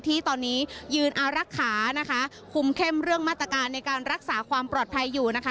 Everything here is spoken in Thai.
ที่ตอนนี้ยืนอารักษานะคะคุมเข้มเรื่องมาตรการในการรักษาความปลอดภัยอยู่นะคะ